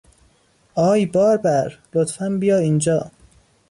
آی بار بر! لطفا بیا اینجا!